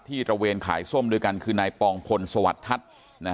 ตระเวนขายส้มด้วยกันคือนายปองพลสวัสดิ์ทัศน์